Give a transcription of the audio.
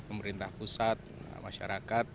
pemerintah pusat masyarakat